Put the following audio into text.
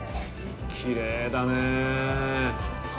きれいだね。